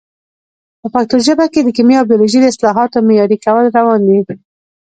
په پښتو ژبه کې د کیمیا او بیولوژي د اصطلاحاتو معیاري کول روان دي.